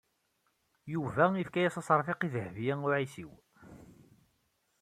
Yuba yefka-yas aseṛfiq i Dehbiya u Ɛisiw.